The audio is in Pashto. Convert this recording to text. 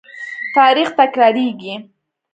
تاریخ تکرارېږي.